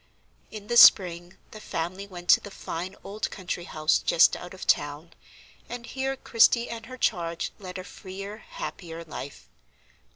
In the spring the family went to the fine old country house just out of town, and here Christie and her charge led a freer, happier life.